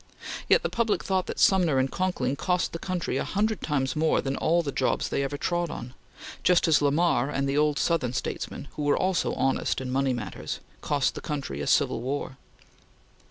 Yet the public thought that Sumner and Conkling cost the country a hundred times more than all the jobs they ever trod on; just as Lamar and the old Southern statesmen, who were also honest in money matters, cost the country a civil war.